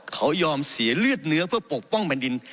เขายอมเสียเลือดเนื้อเพื่อปกป้องแผ่นดิน